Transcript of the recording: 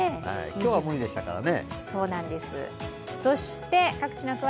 今日は無理でしたからね。